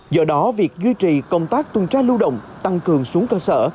do đó việc duy trì công tác tuần tra lưu động tăng cường xuống cơ sở